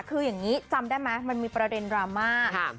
คืออย่างงี้จำได้ไหมมันมีประเด็นรามาส์ครับ